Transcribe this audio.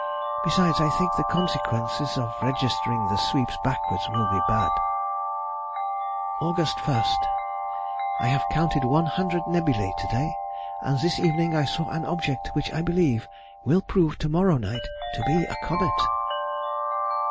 Besides, I think the consequences of registering the sweeps backwards will be bad. [Sidenote: 1786. Slough.—The first Comet.] August 1.—I have counted one hundred nebulæ to day, and this evening I saw an object which I believe will prove to morrow night to be a comet.